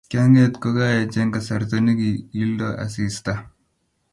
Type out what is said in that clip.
Kianget kokaech eng kasarta nekilildoi asista